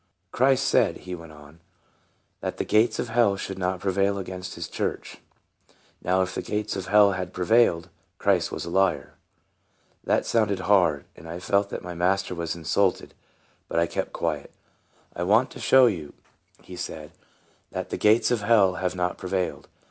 " Christ said," he went on, " that the gates of hell should not prevail against his church. Now if the gates of hell have pre vailed, Christ was a liar." That sounded hard, and I felt that my Master was insulted, but I kept quiet. " I want to show you," he said, " that the gates of hell have not prevailed.